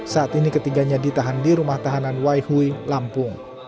saat ini ketiganya ditahan di rumah tahanan waihui lampung